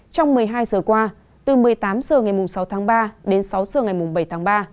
trong một mươi hai giờ qua từ một mươi tám h ngày sáu tháng ba đến sáu h ngày bảy tháng ba